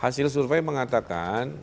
hasil survei mengatakan